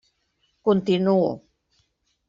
Continuo.